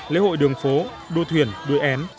lễ hội đường phố đua thuyền đuôi én